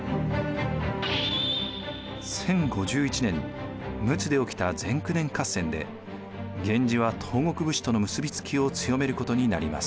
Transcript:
１０５１年陸奥で起きた前九年合戦で源氏は東国武士との結び付きを強めることになります。